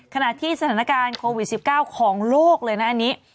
ขณะที่สถานการณ์โควิด๑๙ของโลกเลยนะอันนี้